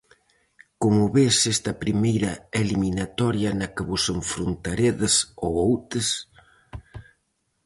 Como ves esta primeira eliminatoria na que vos enfrontaredes ao Outes?